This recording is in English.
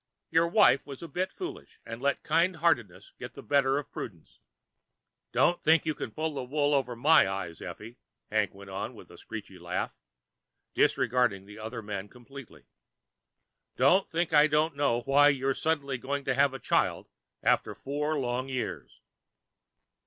Your wife was a bit foolish and let kindheartedness get the better of prudence " "Don't think you've pulled the wool over my eyes, Effie," Hank went on with a screechy laugh, disregarding the other man completely. "Don't think I don't know why you're suddenly going to have a child after four long years."